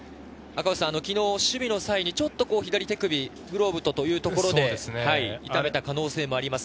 昨日、守備の際にちょっと左手首というところで痛めた可能性があります。